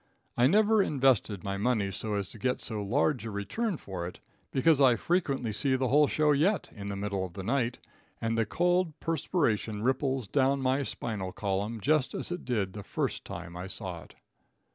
I never invested my money so as to get so large a return for it, because I frequently see the whole show yet in the middle of the night, and the cold perspiration ripples down my spinal column just as it did the first time I saw it.